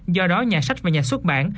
do đó nhà sách và nhà xuất bản